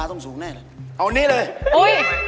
อันนี้เลย